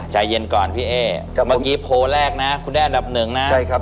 ชีวิตนะฮะ